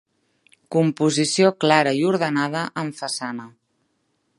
Composició clara i ordenada en façana.